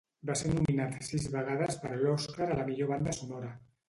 Va ser nominat sis vegades per l'Oscar a la millor banda sonora.